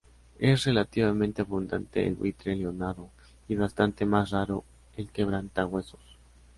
Es relativamente abundante el buitre leonado, y bastante más raro el quebrantahuesos.